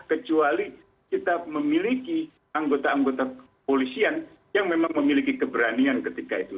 kecuali kita memiliki anggota anggota polisian yang memang memiliki keberanian ketika itu